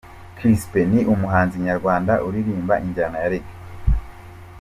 Chrispin ni umuhanzi nyarwanda uririmba injyana ya Reggae.